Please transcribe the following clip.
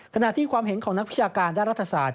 ขณะที่ความเห็นของนักวิชาการด้านรัฐศาสต